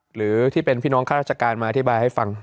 หรือที่เป็นพี่น้องข้าราชการมาอธิบายให้ฟัง